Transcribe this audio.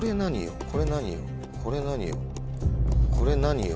これ何よ？